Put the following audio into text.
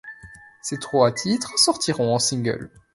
Ces trois titres sortiront en single.